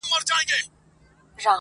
• زه مي د شرف له دایرې وتلای نسمه,